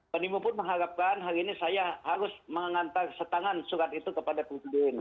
penipu pun mengharapkan hari ini saya harus mengantar setangan surat itu kepada presiden